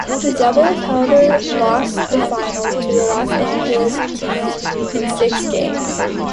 The Devils, however, lost the Finals to the Los Angeles Kings in six games.